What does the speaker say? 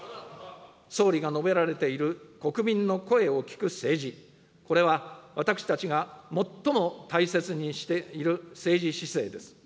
総理が述べられている国民の声を聞く政治、これは私たちが最も大切にしている政治姿勢です。